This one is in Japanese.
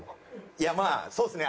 いやまあそうですね